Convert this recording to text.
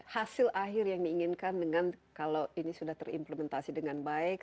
hasil akhir yang diinginkan dengan kalau ini sudah terimplementasi dengan baik